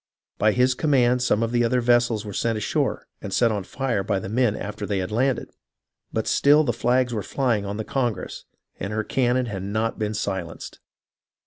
By his command some of the other vessels were sent ashore and set on fire by the men after they landed, but still the flags were flying on the Congress, and her cannon had not been silenced.